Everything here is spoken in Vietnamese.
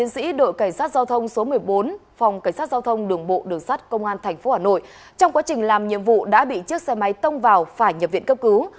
số một mươi bốn phòng cảnh sát giao thông đường bộ đường sát công an tp hà nội trong quá trình làm nhiệm vụ đã bị chiếc xe máy tông vào phải nhập viện cấp cứu